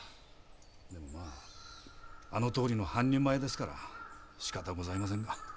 でもまああのとおりの半人前ですからしかたございませんが。